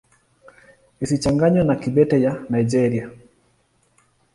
Isichanganywe na Kibete ya Nigeria.